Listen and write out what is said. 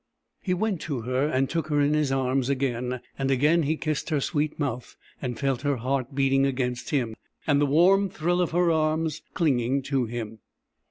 He went to her and took her in his arms again, and again he kissed her sweet mouth, and felt her heart beating against him, and the warm thrill of her arms clinging to him.